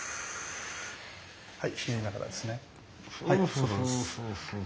はい！